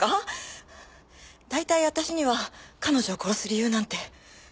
だいたい私には彼女を殺す理由なんて。